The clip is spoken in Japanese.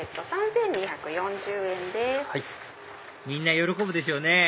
みんな喜ぶでしょうね